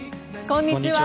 こんにちは。